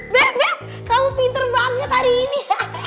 beb kamu pinter banget hari ini